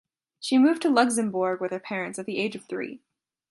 She moved to Luxembourg with her parents at the age of three.